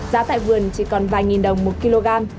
giá tại vườn chỉ còn vài nghìn đồng một kg